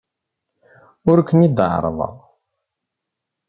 Ur ken-id-ɛerrḍeɣ.